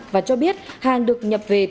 và cho biết hàng được nhập về từ hà nội